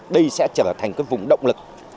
đây sẽ trở thành cái vùng động lực